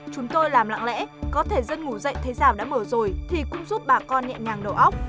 chúng tôi làm lạng lẽ có thể dân ngủ dậy thấy rào đã mở rồi thì cũng giúp bà con nhẹ nhàng đầu óc